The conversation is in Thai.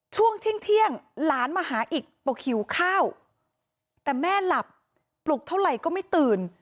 ช่วงเที่ยงหลานมาหาอีกบอกหิวข้าวแต่แม่หลับปลุกเท่าไหร่ก็ไม่ตื่น